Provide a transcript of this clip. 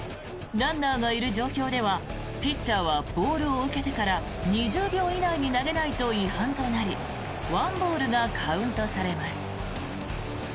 ランナーがいる状況ではピッチャーはボールを受けてから２０秒以内に投げないと違反となり１ボールがカウントされます。